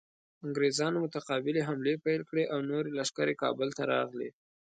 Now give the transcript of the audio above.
انګریزانو متقابلې حملې پیل کړې او نورې لښکرې کابل ته راغلې.